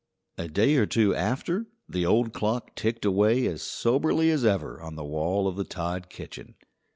A day or two after the old clock ticked away as soberly as ever on the wall of the Todd kitchen.